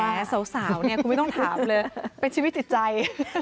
สาวเนี่ยคุณไม่ต้องถามเลยเป็นชีวิตจิตใจ